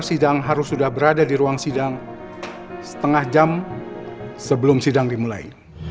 sidang harus sudah berada di ruang sidang setengah jam sebelum sidang dimulai